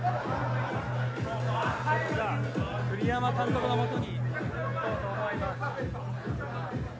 栗山監督のもとに行こうと思います。